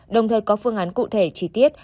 đồng thời có phương án cụ thể chi tiết